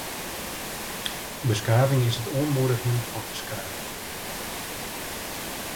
Beskaving is it oanmoedigjen fan ferskaat.